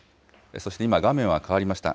そして今、画面が変わりました。